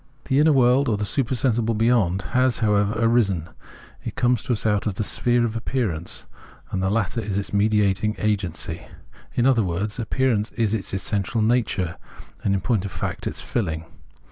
The inner world, or the supersensible beyond, has, however, arisen : it comes to us out of the sphere of appearance, and the latter is its mediating agency : in other words, appearance is its essential nature and, in point of fact, its filhng.